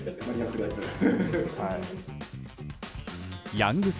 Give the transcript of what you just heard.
ヤング侍